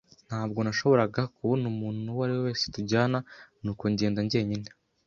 Ntabwo nashoboraga kubona umuntu uwo ari we wese tujyana, nuko ngenda njyenyine.